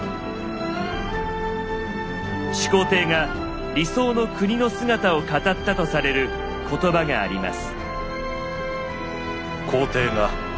始皇帝が理想の国の姿を語ったとされる言葉があります。